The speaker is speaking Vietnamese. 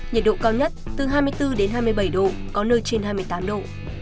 nhiệt độ cao nhất từ hai mươi bốn đến hai mươi bảy độ có nơi trên hai mươi tám độ